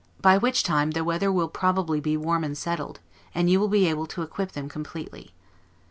By which time the weather will probably be warm and settled, and you will be able to equip them completely.